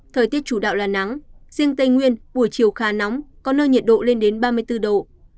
thời tiết chủ đạo là nắng riêng tây nguyên buổi chiều khá nóng có nơi nhiệt độ lên đến ba mươi bốn độ